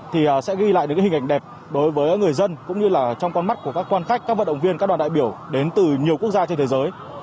thì sẽ ghi lại được cái hình ảnh đẹp đối với người dân cũng như là trong con mắt của các quan khách các vận động viên các đoàn đại biểu đến từ nhiều quốc gia trên thế giới